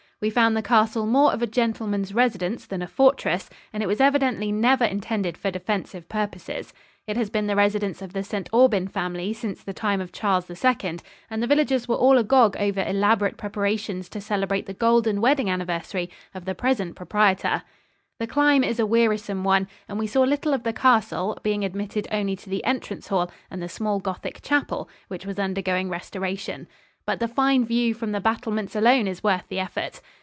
We found the castle more of a gentleman's residence than a fortress, and it was evidently never intended for defensive purposes. It has been the residence of the St. Aubyn family since the time of Charles II, and the villagers were all agog over elaborate preparations to celebrate the golden wedding anniversary of the present proprietor. The climb is a wearisome one, and we saw little of the castle, being admitted only to the entrance hall and the small Gothic chapel, which was undergoing restoration; but the fine view from the battlements alone is worth the effort.